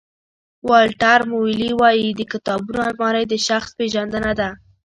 والټر مویلي وایي د کتابونو المارۍ د شخص پېژندنه ده.